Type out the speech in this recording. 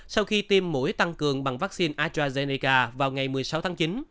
sau khi tiêm mũi tăng cường bằng vaccine astrazeneca vào ngày một mươi sáu tháng chín